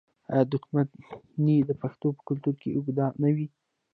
آیا دښمني د پښتنو په کلتور کې اوږده نه وي؟